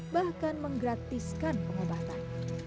bahkan menggratiskan pengobatan